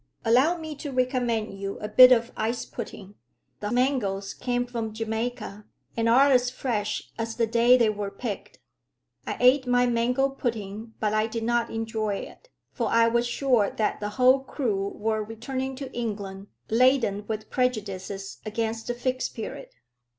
Allow me to recommend you a bit of ice pudding. The mangoes came from Jamaica, and are as fresh as the day they were picked." I ate my mango pudding, but I did not enjoy it, for I was sure that the whole crew were returning to England laden with prejudices against the Fixed Period.